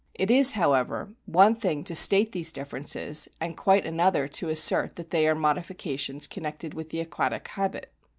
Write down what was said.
It is, however, one thing to state these differences, and quite another to assert that they are modifications connected with the aquatic habit.